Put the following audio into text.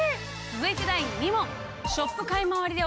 続いて第２問！